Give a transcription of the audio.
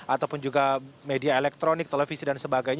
ataupun juga media elektronik televisi